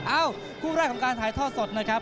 เอ้าคู่แรกของการถ่ายทอดสดนะครับ